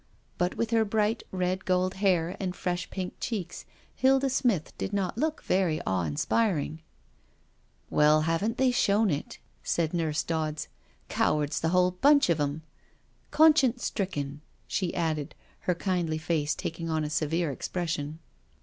*' But with her bright red gold hair and fresh jpink cheeks Hilda Smith did not look very awe inspiring. Well, haven *t they shown it, said Nurse Dodds. •'Cowards the whole bench of them — conscience stricken I" she added, her kindly face taking on a severe expression.